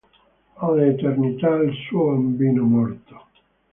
All'eternità, al suo bambino morto.